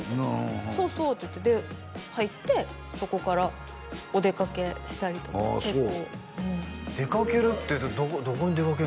「そうそう」って言ってで入ってそこからお出掛けしたりとか結構うん出掛けるってどこに出掛けるんですか？